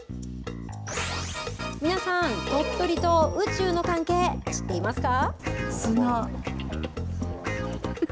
皆さん鳥取と宇宙の関係知っていますか。